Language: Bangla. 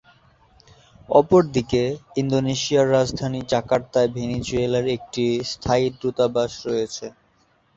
অপরদিকে, ইন্দোনেশিয়ার রাজধানী জাকার্তায় ভেনেজুয়েলার একটি স্থায়ী দূতাবাস রয়েছে।